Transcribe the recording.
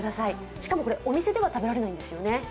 しかもこれ、お店では食べられないんですよね。